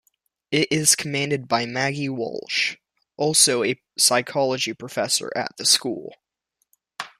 It is commanded by Maggie Walsh, also a psychology professor at the school.